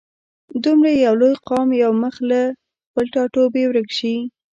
دومره یو لوی قام یو مخ له خپل ټاټوبي ورک شي.